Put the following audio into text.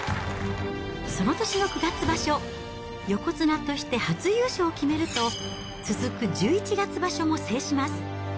その年の９月場所、横綱として初優勝を決めると、続く１１月場所も制します。